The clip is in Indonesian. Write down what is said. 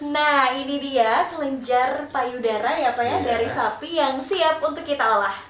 nah ini dia kelenjar payudara dari sapi yang siap untuk kita olah